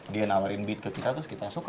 dia nawarin beat ke kita terus kita suka